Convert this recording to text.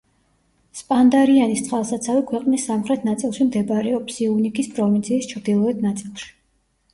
სპანდარიანის წყალსაცავი ქვეყნის სამხრეთ ნაწილში მდებარეობს, სიუნიქის პროვინციის ჩრდილოეთ ნაწილში.